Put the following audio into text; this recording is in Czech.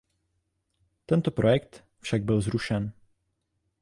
Tento projekt však byl zrušen.